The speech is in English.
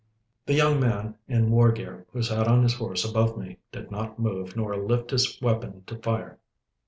The young man in war gear who sat his horse above me, did not move nor lift his weapon to fire.